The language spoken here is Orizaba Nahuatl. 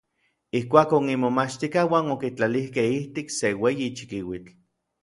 Ijkuakon imomachtijkauan okitlalijkej ijtik se ueyi chikiuitl.